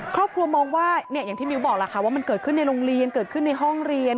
ครอบครัวมองว่าอย่างที่มิ้วบอกล่ะค่ะว่ามันเกิดขึ้นในโรงเรียนเกิดขึ้นในห้องเรียน